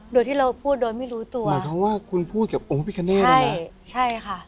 โดยที่เราพูดโดยไม่รู้ตัวหมายความว่าคุณพูดกับองค์พิคเนธใช่ใช่ค่ะ